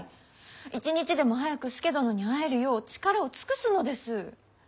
一日でも早く佐殿に会えるよう力を尽くすのです。